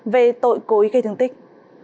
về tội cối gây thương tích